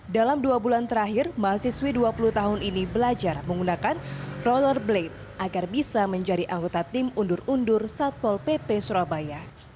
dalam dua bulan terakhir mahasiswi dua puluh tahun ini belajar menggunakan roller blade agar bisa menjadi anggota tim undur undur satpol pp surabaya